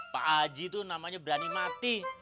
pak haji tuh namanya berani mati